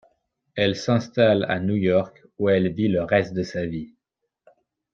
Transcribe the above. Elle s'installe à New York où elle vit le reste de sa vie.